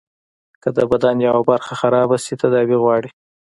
که د بدن يوه برخه خرابه سي تداوي غواړي.